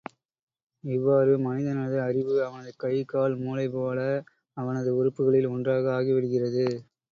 இவ்வாறு மனிதனது அறிவு அவனது கை, கால், மூளைபோல அவனது உறுப்புகளில் ஒன்றாக ஆகிவிடுகிறது.